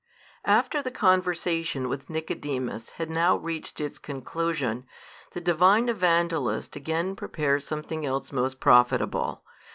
After the conversation with Nicodemus had now reached its conclusion, the Divine Evangelist again prepares something else most profitable.